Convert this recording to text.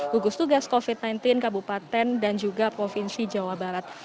gugus tugas covid sembilan belas kabupaten dan juga provinsi jawa barat